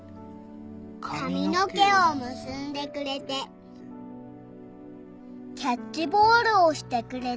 「かみのけをむすんでくれて」「キャッチボールをしてくれて」